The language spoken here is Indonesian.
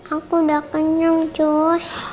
aku udah kenyang cus